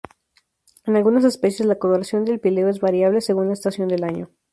En algunas especies la coloración del píleo es variable según la estación del año.